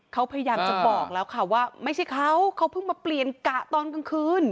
เขาพยายามจะบอกแล้วค่ะว่าไม่ใช่เขาเขาเพิ่งมาเปลี่ยนกะตอนกลางคืน